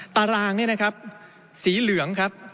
ตารางนี่นะครับสีเหลืองครับ